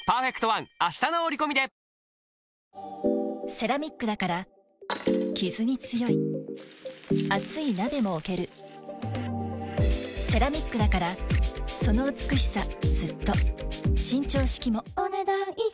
セラミックだからキズに強い熱い鍋も置けるセラミックだからその美しさずっと伸長式もお、ねだん以上。